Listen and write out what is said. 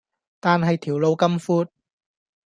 但係條路咁闊